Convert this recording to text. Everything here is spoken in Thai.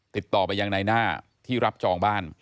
ติดต่อไปยังในหน้าที่รับจองบ้าน